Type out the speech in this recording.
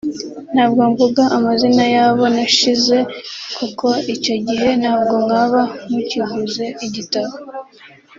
ntabwo mvuga amazina y’abo nashyize kuko icyo gihe ntabwo mwaba mukiguze igitabo